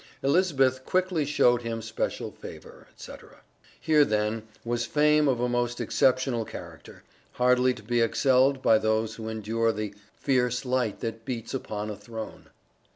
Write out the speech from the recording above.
Elizabeth quickly showed him special favour, etc." Here, then, was fame of a most exceptional character, hardly to be excelled by those who endure the " fierce light that beats upon a throne."